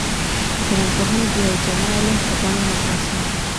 ټولنپوهنه د يو جلا علم په بڼه مطرح سوه.